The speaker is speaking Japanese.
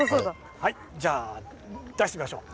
はいじゃあ出してみましょう。